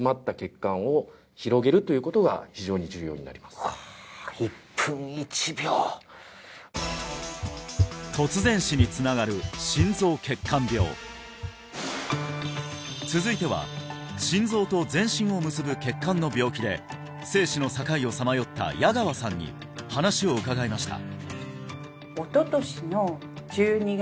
そのためああ１分１秒突然死につながる心臓血管病続いては心臓と全身を結ぶ血管の病気で生死の境をさまよった矢川さんに話を伺いました